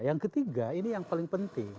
yang ketiga ini yang paling penting